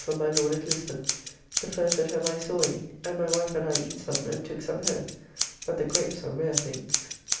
] from my Lord at Lisbon, the first that ever I saw any, and my wife and I eat some, and took some home; but the grapes are rare things.